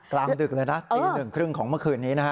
กลางดึกเลยนะตี๑๓๐ของเมื่อคืนนี้นะครับ